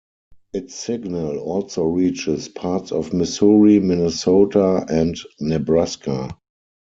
Its signal also reaches parts of Missouri, Minnesota and Nebraska.